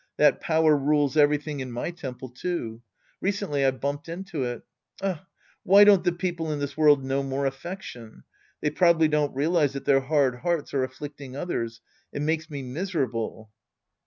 That power rules everything in my temple, too. Recently I bumped into it. Ah, why don't the men in this world know more affection. They probably don't realize that their hard hearts are afflicting others. It makes me miserable.